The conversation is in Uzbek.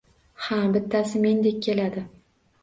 Har bittasi mendek keladi.